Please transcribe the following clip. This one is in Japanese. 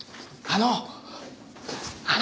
あの！